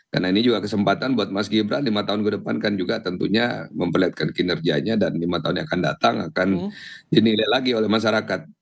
karena ini juga kesempatan buat mas gibran lima tahun ke depan kan juga tentunya memperlihatkan kinerjanya dan lima tahun yang akan datang akan dinilai lagi oleh masyarakat